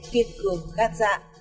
kiên cường gạt dạ